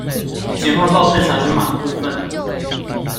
簡化報稅查詢碼的部分